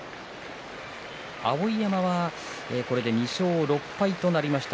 碧山は、これで２勝６敗となりました。